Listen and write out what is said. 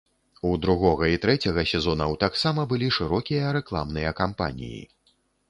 У другога і трэцяга сезонаў таксама былі шырокія рэкламныя кампаніі.